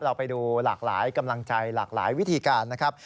เราไปดูหลากหลายกำลังใจหลากหลายวิธีการนะครับ